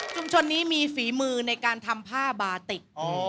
ชุมชนนี้มีฝีมือในการทำผ้าบาติก